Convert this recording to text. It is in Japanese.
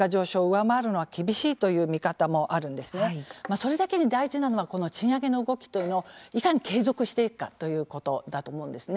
それだけに大事なのはこの賃上げの動きというのをいかに継続していくかということだと思うんですね。